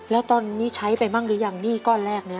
แล้วตอนนี้ใช้ไปบ้างหรือยังหนี้ก้อนแรกนี้